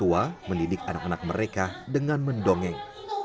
juga menyasar para orang tua menidik anak anak mereka dengan mendongeng